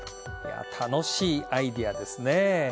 楽しいアイデアですね。